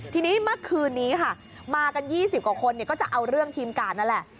ทีนี้เมื่อคืนนี้ค่ะมากัน๒๐กว่าคนก็จะเอาเรื่องทีมการนั่นแหละ